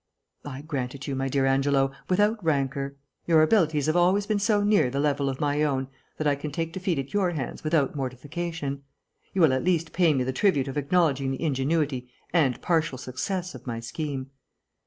"I grant it you, my dear Angelo, without rancour. Your abilities have always been so near the level of my own that I can take defeat at your hands without mortification. You will at least pay me the tribute of acknowledging the ingenuity and partial success of my scheme."